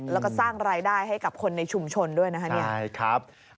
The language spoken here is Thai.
แล้วก็สร้างรายได้ให้กับคนในชุมชนด้วยนะครับ